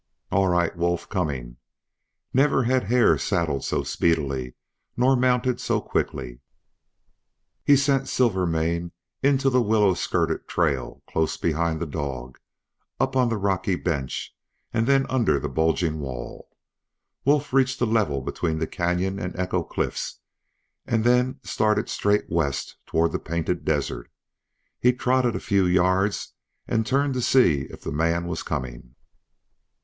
"All right, Wolf coming." Never had Hare saddled so speedily, nor mounted so quickly. He sent Silvermane into the willow skirted trail close behind the dog, up on the rocky bench, and then under the bulging wall. Wolf reached the level between the canyon and Echo Cliffs, and then started straight west toward the Painted Desert. He trotted a few rods and turned to see if the man was coming.